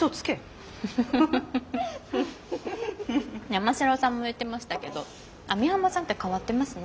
山城さんも言ってましたけど網浜さんって変わってますね。